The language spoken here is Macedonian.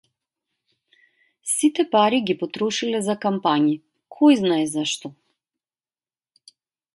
Сите пари ги потрошиле за кампањи, којзнае за што.